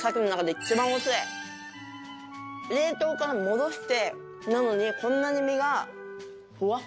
冷凍から戻してなのにこんなに身がフワフワ。